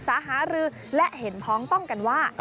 สารหารือและเห็นพ้องต้องกันว่า